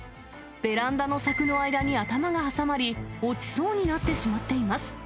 ベランダの柵の間に頭が挟まり、落ちそうになってしまっています。